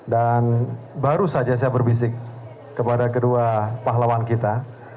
dan baru saja saya berbisik kepada kedua pahlawan kita